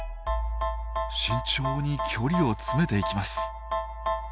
慎重に距離を詰めていきます。